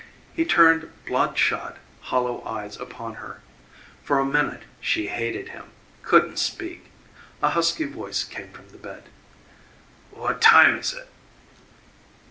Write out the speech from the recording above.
He turned blood shot hollow eyes upon her. For a minute she hated him, couldn't speak. A husky voice came from the bed. "What time is it?"